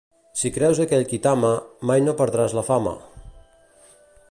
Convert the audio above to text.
Si creus aquell qui t'ama mai no perdràs la fama.